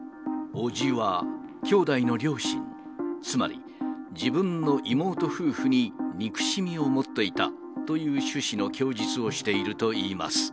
伯父は兄弟の両親、つまり自分の妹夫婦に憎しみを持っていたという趣旨の供述をしているといいます。